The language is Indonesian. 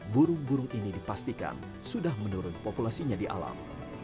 burung burung ini dipastikan sudah menurun populasinya di alam